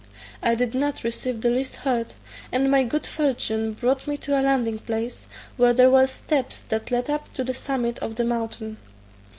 I did not receive the least hurt, and my good fortune brought me to a landing place, where there were steps that led up to the summit of the mountain.